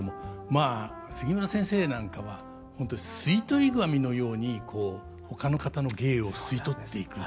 まあ杉村先生なんかは本当吸い取り紙のようにこうほかの方の芸を吸い取っていく。